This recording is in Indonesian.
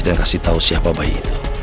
dan kasih tahu siapa bayi itu